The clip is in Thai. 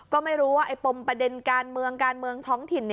ก็ไม่รู้ว่าไอ้ปมประเด็นการเมืองการเมืองท้องถิ่น